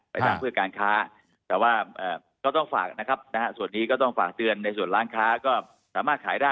ไปทำเพื่อการค้าแต่ว่าก็ต้องฝากนะครับนะฮะส่วนนี้ก็ต้องฝากเตือนในส่วนร้านค้าก็สามารถขายได้